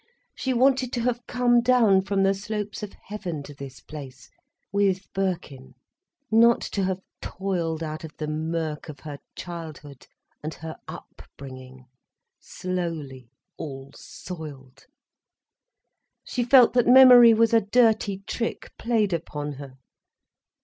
She wanted to have come down from the slopes of heaven to this place, with Birkin, not to have toiled out of the murk of her childhood and her upbringing, slowly, all soiled. She felt that memory was a dirty trick played upon her.